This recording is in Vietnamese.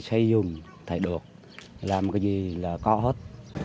xây dựng thay đổi làm cái gì là có hết